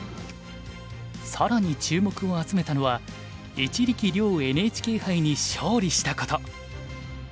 更に注目を集めたのは一力遼ＮＨＫ杯に勝利したこと。